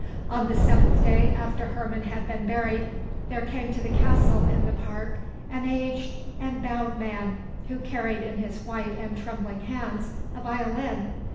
On the seventh day after Herman had been buried there came to the castle in the park an aged and bowed man who carried in his white and trembling hands a violin.